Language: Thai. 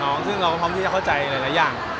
หมายถึงว่าความดังของผมแล้วทำให้เพื่อนมีผลกระทบอย่างนี้หรอค่ะ